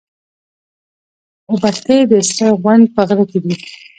اوبښتي د سره غونډ په غره کي دي.